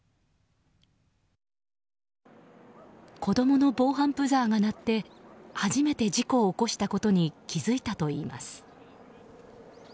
子供の防犯ブザーが鳴って初めて事故を起こしたことに気づいたといいます。